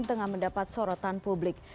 dengan mendapat sorotan publik